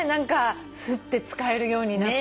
すって使えるようになったのって。